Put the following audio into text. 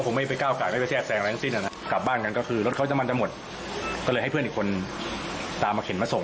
เกินกว่าปกติคงไม่ต้องมาขอกละมาครับ